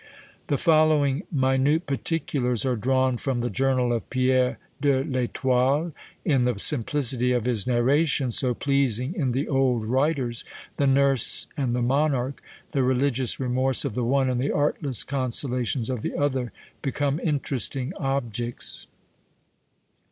The following minute particulars are drawn from the journal of Pierre de L'Etoile. In the simplicity of his narration, so pleasing in the old writers, the nurse and the monarch, the religious remorse of the one, and the artless consolations of the other, become interesting objects.